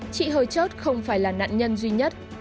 chị hầu chất không phải là nạn nhân duy nhất